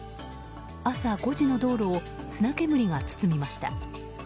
朝５時の道路を砂煙が包みました。